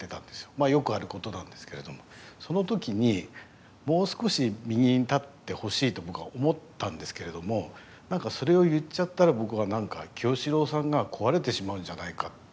まあよくあることなんですけれどもその時にもう少し右に立ってほしいと僕は思ったんですけれどもなんかそれを言っちゃったら僕はなんか清志郎さんが壊れてしまうんじゃないかって。